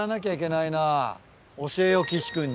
教えよう岸君に。